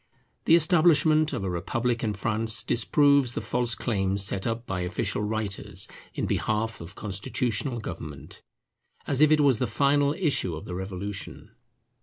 The establishment of a republic in France disproves the false claims set up by official writers in behalf of constitutional government, as if it was the final issue of the Revolution.